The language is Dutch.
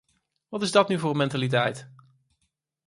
Wat is dat nu voor een mentaliteit?